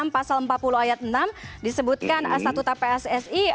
pasal empat puluh ayat enam disebutkan statuta pssi